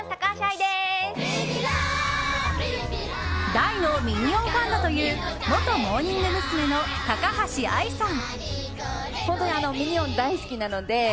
大のミニオンファンだという元モーニング娘。の高橋愛さん。